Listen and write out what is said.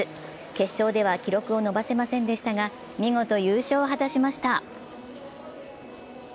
決勝では記録を伸ばせませんでしたが見事優勝を果たしました。